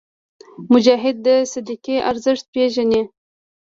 مجاهد د صدقې ارزښت پېژني.